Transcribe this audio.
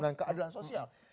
dan keadilan sosial